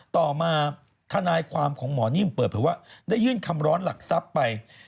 ต่อมาธนายความของหมอนิ่มเปิดเผยว่าได้ยื่นคำร้อนหลักทรัพย์ไป